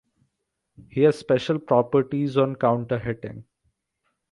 He has special properties on counter hitting.